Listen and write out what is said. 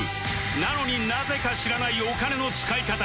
なのになぜか知らないお金の使い方